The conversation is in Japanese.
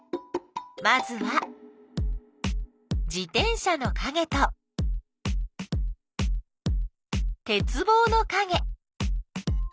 まずは自転車のかげとてつぼうのかげ。